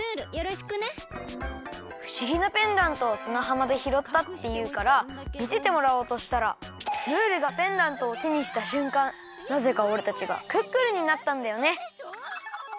ふしぎなペンダントをすなはまでひろったっていうからみせてもらおうとしたらムールがペンダントをてにしたしゅんかんなぜかおれたちがクックルンになったんだよね。